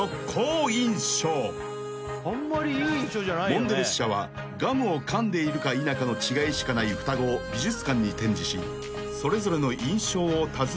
［モンデレス社はガムをかんでいるか否かの違いしかない双子を美術館に展示しそれぞれの印象を尋ねたところ］